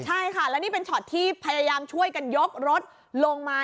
ใช่ค่ะแล้วนี่เป็นช็อตที่พยายามช่วยกันยกรถลงมา